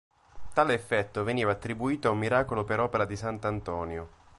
Tale effetto veniva attribuito a un miracolo per opera di sant'Antonio.